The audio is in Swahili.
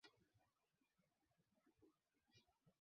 kama ilivyoelezwa mara kadhaa na rais wa marekani